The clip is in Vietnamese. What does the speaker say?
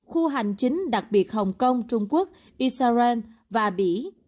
khu hành chính đặc biệt hồng kông trung quốc israel và bỉ